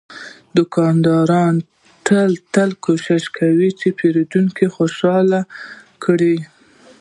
دوکاندار تل کوشش کوي چې پیرودونکی خوشاله کړي.